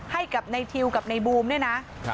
ให้กับในทิวกับในบูมเนี่ยนะ